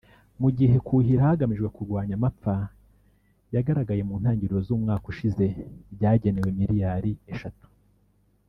mu gihe kuhira hagamijwe kurwanya amapfa yagaragaye mu ntangiriro z’umwaka ushize byagenewe miliyari eshatu